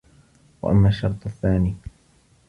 وَأَمَّا الشَّرْطُ الثَّانِي